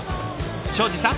庄司さん